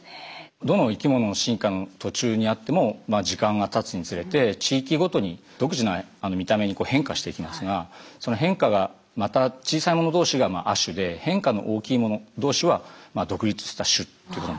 どの生きものの進化の途中にあっても時間がたつにつれて地域ごとに独自な見た目に変化していきますがその変化がまた小さいもの同士が亜種で変化の大きいもの同士は独立した種ということになります。